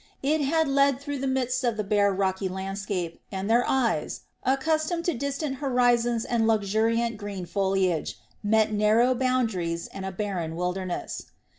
It had led through the midst of the bare rocky landscape, and their eyes, accustomed to distant horizons and luxuriant green foliage, met narrow boundaries and a barren wilderness.